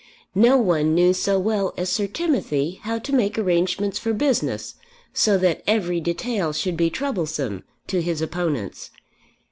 No one knew so well as Sir Timothy how to make arrangements for business, so that every detail should be troublesome to his opponents.